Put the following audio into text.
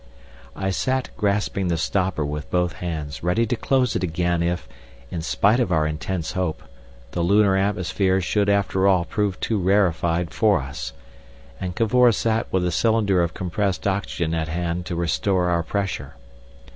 I sat grasping the stopper with both hands, ready to close it again if, in spite of our intense hope, the lunar atmosphere should after all prove too rarefied for us, and Cavor sat with a cylinder of compressed oxygen at hand to restore our pressure.